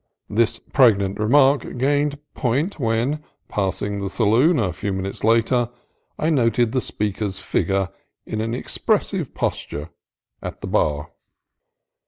This pregnant remark gained point when, on passing the saloon a few minutes later, I noted the speaker's figure in expressive posture at the bar.